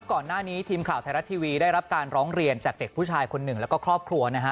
ก่อนหน้านี้ทีมข่าวไทยรัฐทีวีได้รับการร้องเรียนจากเด็กผู้ชายคนหนึ่งแล้วก็ครอบครัวนะฮะ